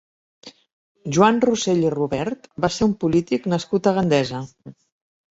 Joan Rosell i Rubert va ser un polític nascut a Gandesa.